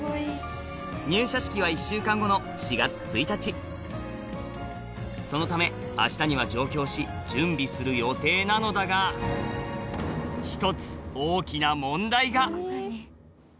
入社式は１週間後の４月１日そのため明日には上京し準備する予定なのだが会社やから。